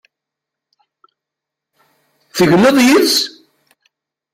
Tegneḍ yid-s?